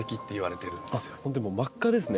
本当にもう真っ赤ですね。